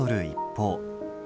一方。